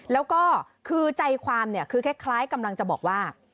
แล้วก็คือใจความเนี่ยคือคล้ายกำลังจะบอกว่า